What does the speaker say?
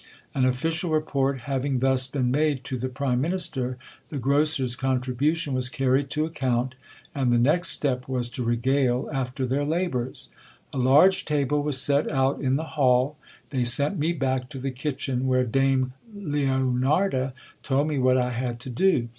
An official report having thus been made to the prime minister, the grocer's contribution was carried to GIL BLAS. account ; and the next step was to regale after their labours. A large table was set out in the hall. They sent me back to the kitchen, where dame Leonarda told me what I had to do.